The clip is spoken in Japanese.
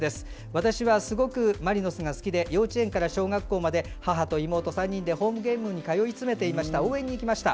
私は、すごくマリノスが好きで幼稚園から小学校まで母と妹と、３人でホームゲームに通い詰めて応援に行きました。